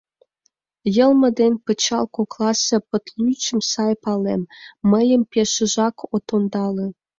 Йылме ден пычал кокласе пытлӱчым сай палем, мыйым пешыжак от ондале...